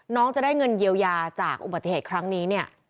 น้องจะได้เงินเยียวยาจากอุบัติเหตุครั้งนี้เนี่ย